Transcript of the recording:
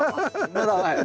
まだ甘い？